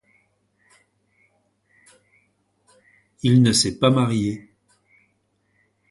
Il ne s'est pas marié.